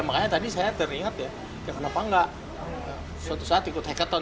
makanya tadi saya teringat ya kenapa enggak suatu saat ikut hackathon